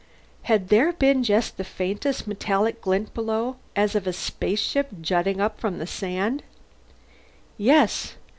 Had there been just the faintest metallic glint below, as of a spaceship jutting up from the sand? Yes.